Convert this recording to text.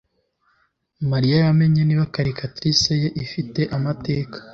Mariya yamenye niba calculatrice ye ifite amateka,